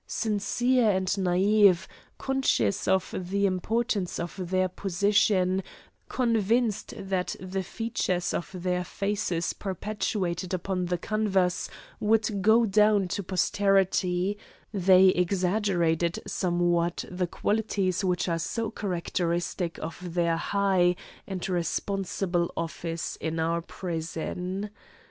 Sincere and naive, conscious of the importance of their position, convinced that the features of their faces perpetuated upon the canvas would go down to posterity, they exaggerated somewhat the qualities which are so characteristic of their high and responsible office in our prison.